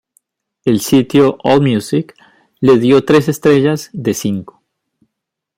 El sitio Allmusic le dio tres estrellas de cinco.